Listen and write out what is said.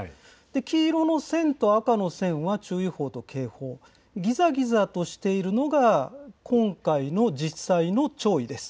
黄色の線と赤の線は注意報と警報、ぎざぎざとしてしているのが今回の実際の潮位です。